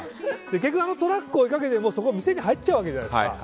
結局、トラックを追いかけても店に入っちゃうわけじゃないですか。